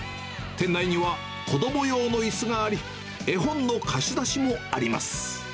店内には子ども用のいすがあり、絵本の貸し出しもあります。